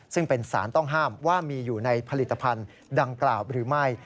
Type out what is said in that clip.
ซึ่งเป็นสารต้องห้ามว่ามีอยู่ในผลิตภัณฑ์ดังกล่าวหรือไม่